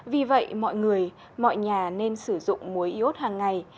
vì vậy mọi người mọi nhà nên sử dụng muối y ốt hàng ngày